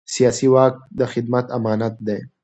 سیاسي واک د خدمت امانت دی